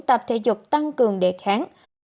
tập thể dục tăng cường đề kháng